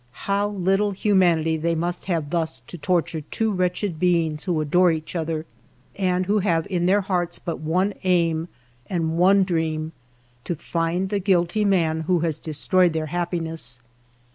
How little humanity they must have thus to torture two wretched beings who adore each other and who have in their hearts but one aim and one dream, — to find the guilty man who has destroyed their happiness